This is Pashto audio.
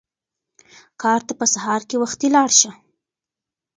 کار ته په سهار کې وختي لاړ شه.